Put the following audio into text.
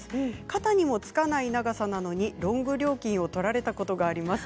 肩にもつかない長さなのにロング料金を取られたことがあります。